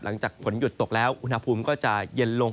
หลังจากฝนหยุดตกแล้วอุณหภูมิก็จะเย็นลง